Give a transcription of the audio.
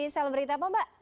selebriti apa mbak